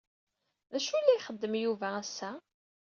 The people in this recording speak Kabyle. D acu yella ixeddem Yuba ass-a?